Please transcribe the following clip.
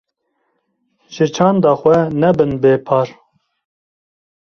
Ji çanda xwe nebin bê par.